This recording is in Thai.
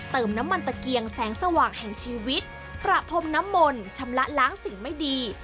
เติมน้ำมันตะเกียงแสงสว่างแห่งชีวิตประพรมน้ำมนต์ชำระล้างสิ่งไม่ดี